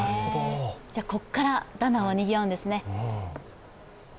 ここからダナンはにぎわうんですね。